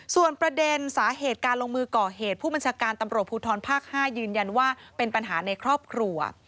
ส่วนประเด็นสาเหตุการลงมือก่อเหตุผู้บัญชาการตำรวจภูทรภาค๕ยืนยันว่าเป็นปัญหาในครอบครัว